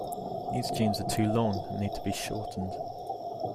These jeans are too long, and need to be shortened.